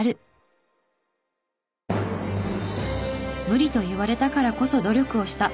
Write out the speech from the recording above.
無理と言われたからこそ努力をした。